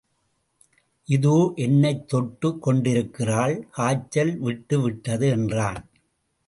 இதோ என்னைத் தொட்டுக் கொண்டிருக்கிறாள் காய்ச்சல் விட்டுவிட்டது என்றான்.